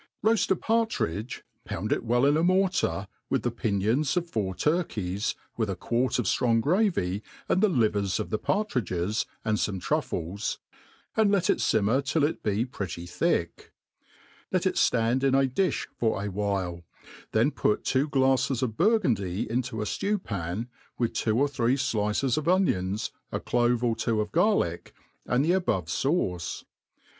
^ROAST a partridge, pound it well in a mortar, with the j;>inions of four turktes, wi^h a quart of 'ftrong gravy, «nd At Ij vers c^f the partridges, and fome truffles, and let it Wmer till it he pretty thick $ let it fiand in a difli for a while, then put two glaiTes of Biirgundy into a flew pan, with two er three flices of onions, a clove or two of garlic, and the above fauces l.